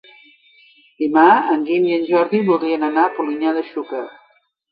Demà en Guim i en Jordi voldrien anar a Polinyà de Xúquer.